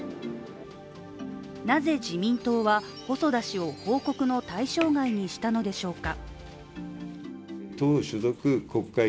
なぜ自民党は細田氏を報告の対象外にしたのでしょうか。